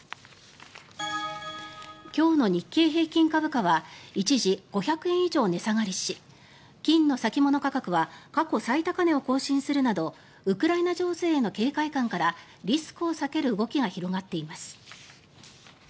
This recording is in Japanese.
今日の日経平均株価は一時、５００円以上値下がりし金の先物価格は過去最高値を更新するなどウクライナ情勢への警戒感からリスクを避ける動きが広がっています。